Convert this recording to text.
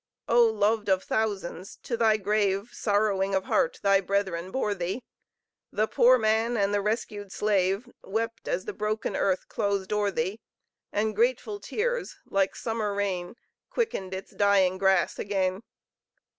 Oh, loved of thousands! to thy grave, Sorrowing of heart, thy brethren bore thee! The poor man and the rescued slave Wept as the broken earth closed o'er thee And grateful tears, like summer rain, Quickened its dying grass again!